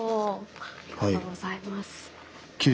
ありがとうございます。